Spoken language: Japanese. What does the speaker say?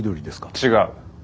違う。